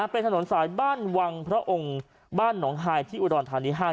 เป็นถนนสายบ้านวังพระองค์บ้านหนองฮายที่อุดรธานี๕